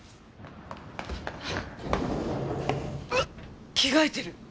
うわっ着替えてる。